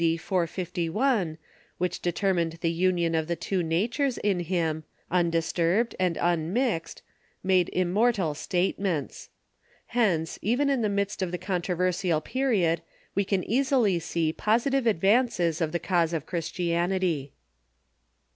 451, which determined the union of the two 64 THE EARLY CHURCH natures in him, undisturbed and unmixed, made immortal statements. Hence, even in the midst of the controversial period, we can easily see positive advances of the cause of Christianitv.